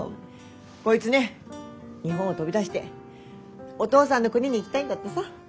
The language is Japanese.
こいつね日本を飛び出してお父さんの国に行きたいんだってさ。